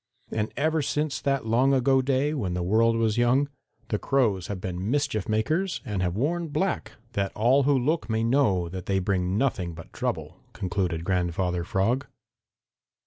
"And ever since that long ago day, when the world was young, the Crows have been mischief makers and have worn black, that all who look may know that they bring nothing but trouble," concluded Grandfather Frog.